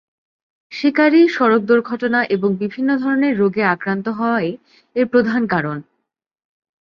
শিকারী, সড়ক দুর্ঘটনা এবং বিভিন্ন ধরনের রোগে আক্রান্ত হওয়াই এর প্রধান কারণ।